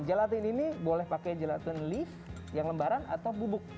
gelatin ini boleh pakai gelatin lift yang lembaran atau bubuk